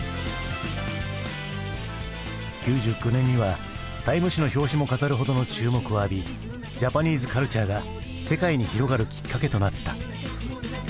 ９９年には「ＴＩＭＥ」誌の表紙も飾るほどの注目を浴びジャパニーズカルチャーが世界に広がるきっかけとなった。